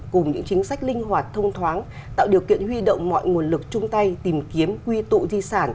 cùng những chính sách linh hoạt thông thoáng tạo điều kiện huy động mọi nguồn lực chung tay tìm kiếm quy tụ di sản